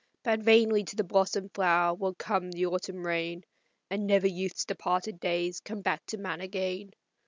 But vainly to the blossomed flower will come the autumn rain, And never youth's departed days come back to man again.